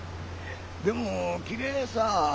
でもきれいさぁ。